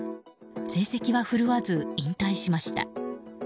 成績は振るわず引退しました。